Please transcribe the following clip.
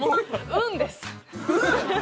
運です